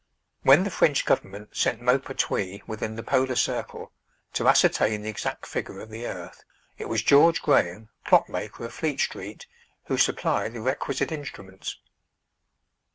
When the French government sent Maupertuis within the polar circle, to ascertain the exact figure of the earth, it was George Graham, Clock maker of Fleet Street, who supplied the requisite instruments.